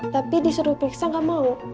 tapi disuruh periksa gak mau